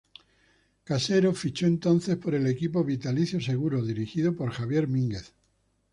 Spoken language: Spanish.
Casero fichó entonces por el equipo Vitalicio Seguros dirigido por Javier Mínguez.